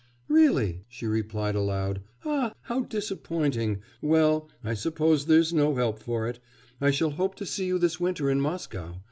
'Really?' she replied aloud. 'Ah! how disappointing! Well, I suppose there's no help for it. I shall hope to see you this winter in Moscow.